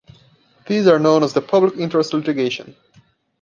These are known as Public Interest Litigation.